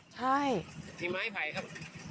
มีไม้ไผ่ครับ